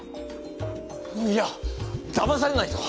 いやだまされないぞ！